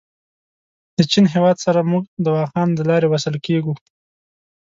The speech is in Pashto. د چین هېواد سره موږ د واخان دلاري وصل کېږو.